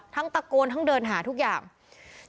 ตะโกนทั้งเดินหาทุกอย่าง